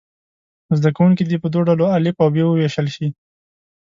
زده کوونکي دې په دوه ډلو الف او ب وویشل شي.